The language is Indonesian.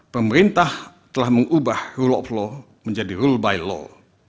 pemerintah telah mengubah rule of law menjadi rule by law